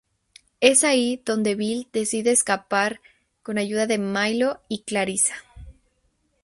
Es ahí donde Bill decide escapar con ayuda de Milo y Clarisa.